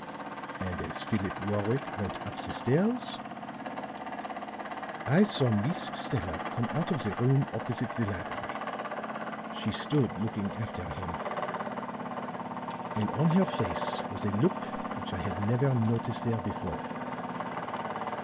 "And as Philip Warwick went up the stairs, I saw Miss Stella come out of the room opposite the library; she stood looking after him and on her face was a look which I had never noticed there before.